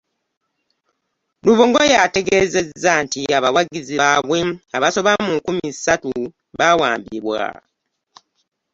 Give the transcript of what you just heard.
Lubongoya ategeezezza nti abawagizi baabwe abasoba mu nkumi ssatu baawambibwa